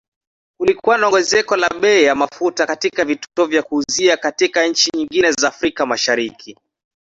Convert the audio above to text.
Kulikuwa na ongezeko la bei ya mafuta katika vituo vya kuuzia katika nchi nyingine za Afrika Mashariki